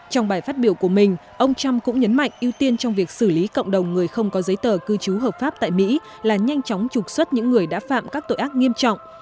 trong bài phát biểu của mình ông trump cũng nhấn mạnh ưu tiên trong việc xử lý cộng đồng người không có giấy tờ cư trú hợp pháp tại mỹ là nhanh chóng trục xuất những người đã phạm các tội ác nghiêm trọng